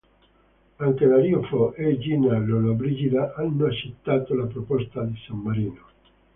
Anche Dario Fo e Gina Lollobrigida hanno accettato la proposta di San Marino.